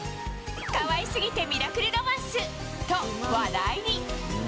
可愛すぎてミラクルロマンスと話題に。